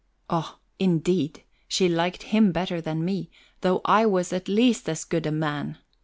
Oh, indeed! She liked him better than me, though I was at least as good a man!